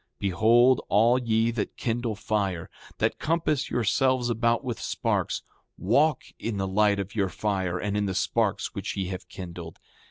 7:11 Behold all ye that kindle fire, that compass yourselves about with sparks, walk in the light of your fire and in the sparks which ye have kindled.